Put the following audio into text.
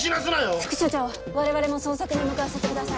副署長我々も捜索に向かわせてください。